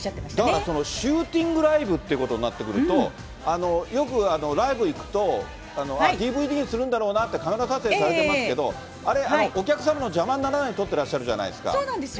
だからシューティングライブということになってくると、よくライブ行くと、ＤＶＤにするんだろうなって、されてますけど、あれ、お客さんの邪魔にならないように撮ってそうなんですよ。